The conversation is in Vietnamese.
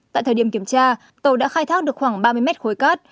tại thời điểm kiểm tra tàu đã khai thác được khoảng ba mươi mét khối cát